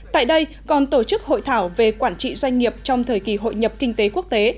tại đây còn tổ chức hội thảo về quản trị doanh nghiệp trong thời kỳ hội nhập kinh tế quốc tế